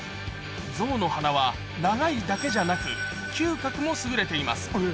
ゾウの鼻は長いだけじゃなく、嗅覚も優れています。